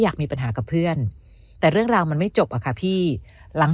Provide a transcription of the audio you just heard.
อยากมีปัญหากับเพื่อนแต่เรื่องราวมันไม่จบอะค่ะพี่หลัง